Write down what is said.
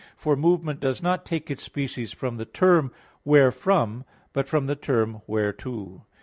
For movement does not take its species from the term wherefrom but from the term _whereto.